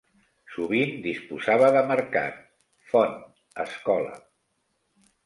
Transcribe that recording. Sovint disposava de mercat, font, escola.